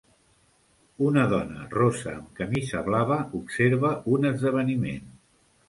Una dona rossa amb camisa blava observa un esdeveniment.